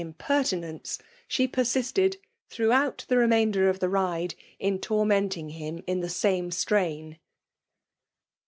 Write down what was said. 271 pertinence, she persisted, throughout the re mainder of the ride^ in tormenting him in tlie same strain.